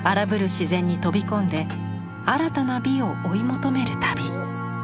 自然に飛び込んで新たな美を追い求める旅。